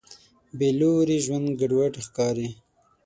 بېلوري ژوند ګډوډ ښکاري.